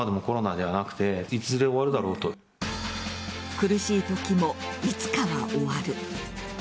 苦しい時もいつかは終わる。